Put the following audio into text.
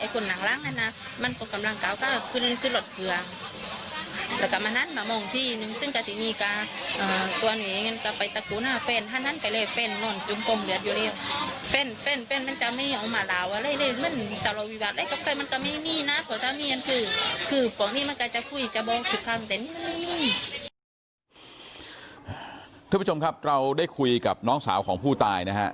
คุณผู้ชมครับเราได้คุยกับน้องสาวของผู้ตายนะฮะ